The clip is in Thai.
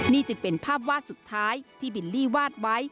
นี่จึงเป็นภาพวาดสุดท้ายที่บิลลี่วาดไว้